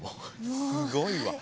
すごいわ！